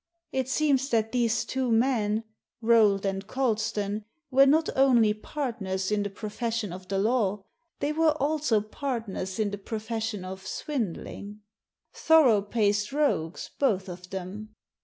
It seems that these two men, Rolt and Colston, were not only partners in the profession of the law, they were also partners in the profession of swindling. Thorough* paced rogues, both of them.